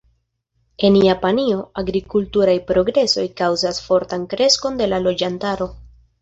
En Japanio, agrikulturaj progresoj kaŭzas fortan kreskon de la loĝantaro.